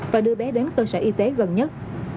và đưa bé đến cơ sở y tế gần nhất